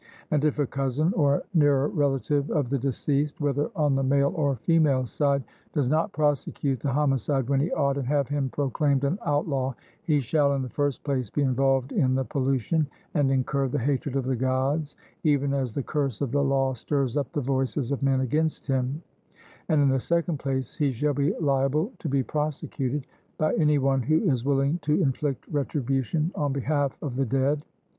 And if a cousin or nearer relative of the deceased, whether on the male or female side, does not prosecute the homicide when he ought, and have him proclaimed an outlaw, he shall in the first place be involved in the pollution, and incur the hatred of the Gods, even as the curse of the law stirs up the voices of men against him; and in the second place he shall be liable to be prosecuted by any one who is willing to inflict retribution on behalf of the dead.